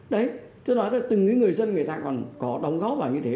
đấy tôi nói là từng cái người dân người ta còn có đóng góp vào như thế